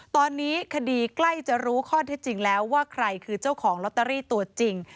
ตอนนี้คดีใกล้จะรู้ข้อเท็จจริงแล้วว่าใครคือเจ้าของลอตเตอรี่ตัวจริง